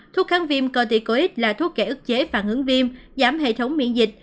thuốc kháng viêm corticoid là thuốc kệ ức chế phản ứng viêm giảm hệ thống miễn dịch